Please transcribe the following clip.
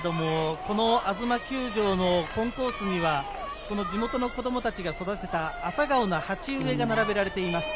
無観客ですけれど、あづま球場のコンコースには地元の子供たちが育てたアサガオの鉢植えが並べられています。